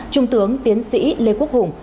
trung tướng tiến sĩ lê quốc hùng